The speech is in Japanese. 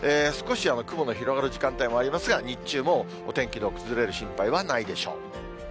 少し雲の広がる時間帯もありますが、日中もお天気の崩れる心配はないでしょう。